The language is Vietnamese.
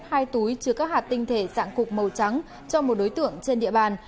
hai túi chứa các hạt tinh thể dạng cục màu trắng cho một đối tượng trên địa bàn